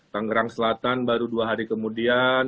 tangerang selatan baru dua hari kemudian